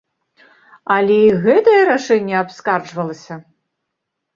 Але і гэтае рашэнне абскарджвалася!